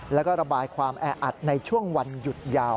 แล้วก็ระบายความแออัดในช่วงวันหยุดยาว